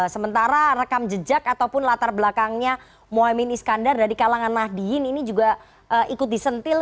sementara rekam jejak ataupun latar belakangnya mohaimin iskandar dari kalangan nahdiyin ini juga ikut disentil